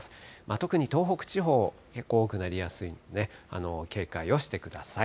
特に東北地方、結構、多くなりやすいので警戒をしてください。